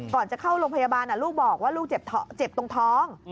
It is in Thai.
ก่อนจะเข้าโรงพยาบาลลูกบอกว่าลูกเจ็บตรงท้อง